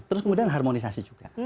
terus kemudian harmonisasi juga